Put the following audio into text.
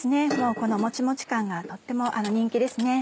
このもちもち感がとっても人気ですね。